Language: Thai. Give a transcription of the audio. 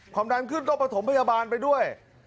ความดันขึ้นต้องประถมพยาบาลไปด้วย